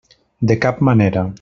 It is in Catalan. De cap manera!